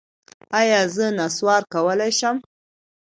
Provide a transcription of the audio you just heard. ایا زه نسوار کولی شم؟